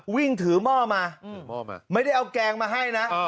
วิ่งถือหม้อมาไม่ได้เอาแกงมาให้นะ